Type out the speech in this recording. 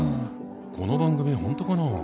この番組本当かな？